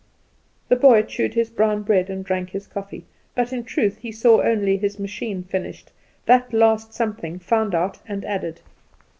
The boy chewed his brown bread and drank his coffee; but in truth he saw only his machine finished that last something found out and added.